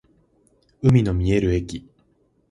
海の見える駅